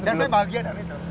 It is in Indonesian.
dan saya bahagia dengan itu